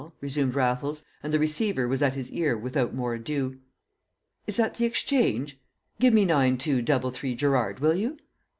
resumed Raffles, and the receiver was at his ear without more ado. "Is that the Exchange? Give me nine two double three Gerrard, will you?"